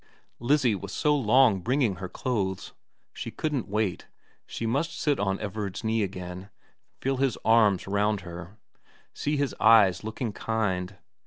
Lizzie was so long bringing her clothes ; she couldn't wait, she must sit on Everard's knee again, feel his arms round her, see his eyes looking kind.